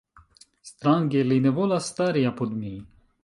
Strange li ne volas stari apud mi.